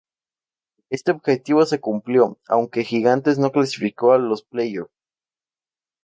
Este objetivo se cumplió, aunque Gigantes no clasificó a los playoffs.